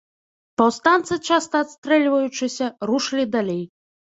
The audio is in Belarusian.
Паўстанцы, часта адстрэльваючыся, рушылі далей.